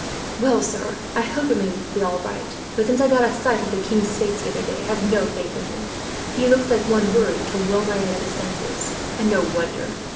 "Well, sir, I hope it may be all right, but since I got a sight of the king's face the other day, I have no faith in him; he looks like one worried until well nigh out of his senses and no wonder.